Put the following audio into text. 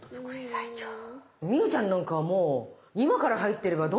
望結ちゃんなんかはもう今から入ってればどんどん複利が。